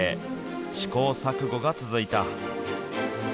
試行錯誤が続いた。